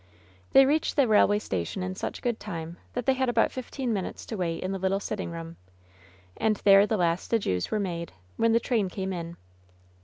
They reached the railway station in such good time that they had about fifteen minutes to wait in the little sitting room ; and there the last adieus were made, when the train came in.